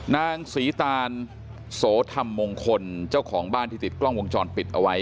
นางศรีตานโสธรรมมงคลเจ้าของบ้านที่ติดกล้องวงจรปิดเอาไว้